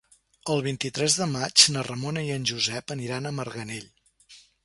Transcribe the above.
El vint-i-tres de maig na Ramona i en Josep aniran a Marganell.